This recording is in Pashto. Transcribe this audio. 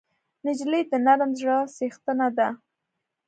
نجلۍ د نرم زړه څښتنه ده.